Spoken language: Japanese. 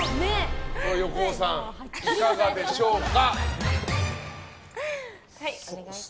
横尾さん、いかがでしょうか？